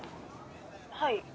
「はい」